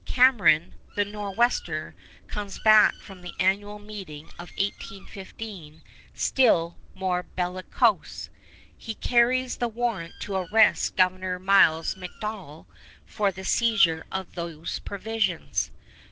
Cameron, the Nor'wester, comes back from the annual meeting of 1815 still more bellicose. He carries the warrant to arrest Governor Miles MacDonell for the seizure of those provisions.